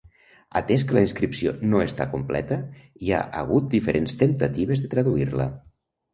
Atès que la inscripció no està completa, hi ha hagut diferents temptatives de traduir-la.